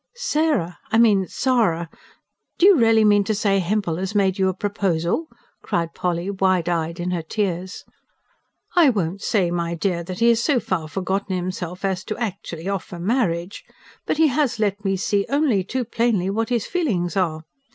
"Sarah! I mean Sara do you really mean to say Hempel has made you a proposal?" cried Polly, wide eyed in her tears. "I won't say, my dear, that he has so far forgotten himself as to actually offer marriage. But he has let me see only too plainly what his feelings are.